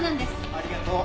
ありがとう。